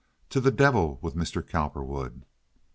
To the devil with Mr. Cowperwood!"